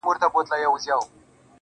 سترگي دي گراني لکه دوې مستي همزولي پيغلي